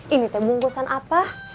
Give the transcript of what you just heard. ini teh bungkusan apa